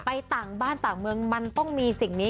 ต่างบ้านต่างเมืองมันต้องมีสิ่งนี้